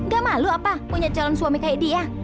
ga malu apa punya calon suami kaya dia